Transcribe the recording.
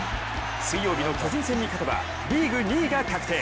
水曜日の巨人戦に勝てばリーグ２位が確定。